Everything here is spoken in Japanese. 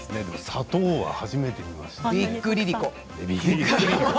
砂糖は初めて見ました。